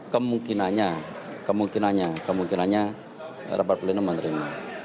kemungkinannya kemungkinannya kemungkinannya rapat pleno menerima